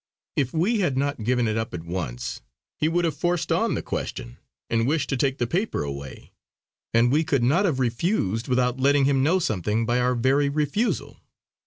If we had not given it up at once, he would have forced on the question and wished to take the paper away; and we could not have refused without letting him know something by our very refusal.